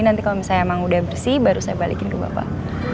nanti kalau misalnya emang udah bersih baru saya balikin ke bapak